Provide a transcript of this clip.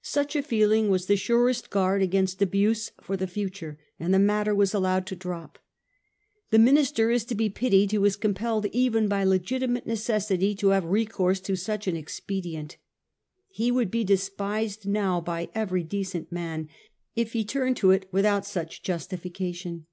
Such a fe eling was the surest guard against abuse for the future, and the matter was allowed to drop. The minister is to be pitied who is compelled even by legitimate necessity to have recourse to such an expe dient; he would be despised now by every decent man if he turned to it without such justification.